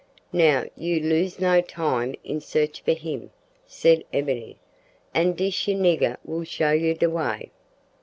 "Now you lose no time in sarch for him," said Ebony, "an' dis yar nigger will show you de way."